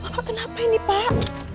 pak kenapa ini pak